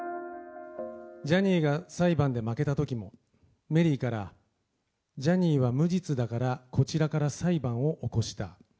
ジャニーが裁判で負けたときも、メリーから、ジャニーは無実だからこちらから裁判を起こした。